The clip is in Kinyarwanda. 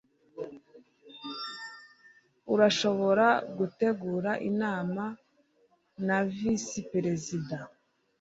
urashobora gutegura inama na visi perizida